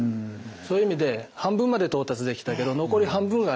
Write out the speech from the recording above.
そういう意味で半分まで到達できたけど残り半分があります。